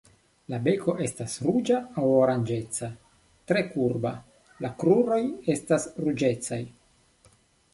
La beko estas ruĝa aŭ oranĝeca, tre kurba, la kruroj estas ruĝecaj.